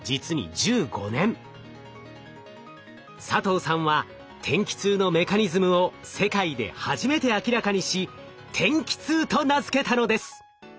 佐藤さんは天気痛のメカニズムを世界で初めて明らかにし「天気痛」と名付けたのです。